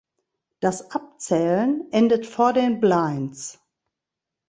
Das Abzählen endet vor den Blinds.